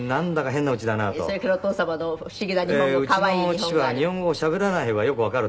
うちの父は日本語をしゃべらない方がよくわかると。